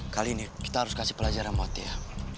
kali ini kita harus kasih pelajaran buat dia